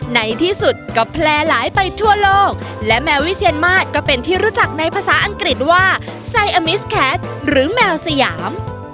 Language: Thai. ในที่สุดก็แพร่หลายไปทั่วโลกและแมววิเชียนมาสก็เป็นที่รู้จักในภาษาอังกฤษว่าไซอามิสแคสหรือแมวสยาม